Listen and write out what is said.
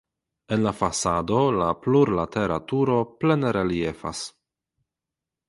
En la fasado la plurlatera turo plene reliefas.